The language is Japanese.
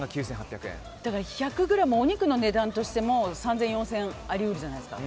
１００ｇ、お肉の値段としても３０００円、４０００円あり得るじゃないですか。